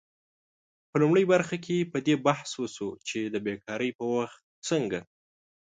په لومړۍ برخه کې په دې بحث وشو چې د بیکارۍ په وخت څنګه